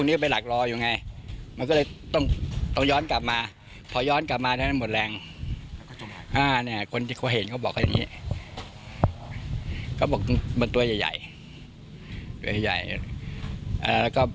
คนที่เห็นเขาบอกใบน้ำอยู่